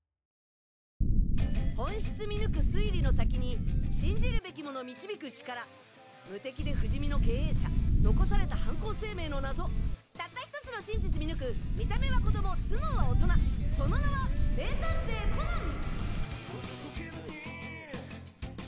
本質見抜く推理の先に信じるべきもの導く力無敵で不死身の経営者残された犯行声明の謎たった１つの真実見抜く見た目は子供頭脳は大人その名は名探偵コナン！